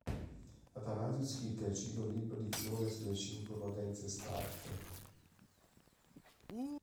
Athanasius Kircher cita un libro di Filone "Sulle cinque potenze statiche".